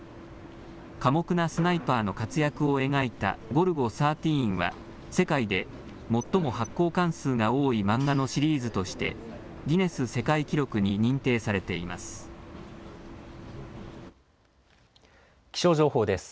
寡黙なスナイパーの活躍を描いたゴルゴ１３は世界で最も発行巻数が多い漫画のシリーズとしてギネス世界記録に認定されています。